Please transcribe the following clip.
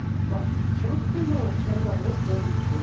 それだけの損害を被っている。